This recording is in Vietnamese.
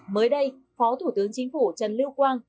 mới đây phó thủ tướng chính phủ trần lưu quang